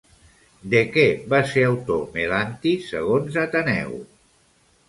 De què va ser autor Melanti segons Ateneu?